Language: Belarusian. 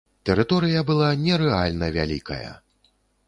Тэрыторыя была нерэальна вялікая.